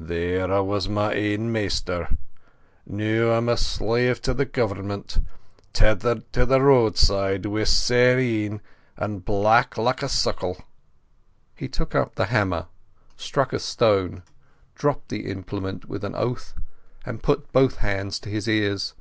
"There I was my ain maister. Now I'm a slave to the Goavernment, tethered to the roadside, wi' sair een, and a back like a suckle." He took up the hammer, struck a stone, dropped the implement with an oath, and put both hands to his ears.